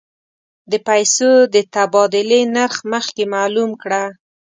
د پیسو د تبادلې نرخ مخکې معلوم کړه.